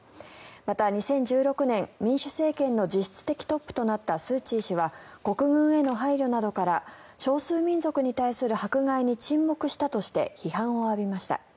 また、２０１６年民主政権の実質的トップとなったスーチーは国軍への配慮などから少数民族に対する迫害に沈黙したとして批判を浴びました。